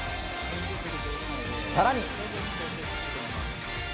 更に。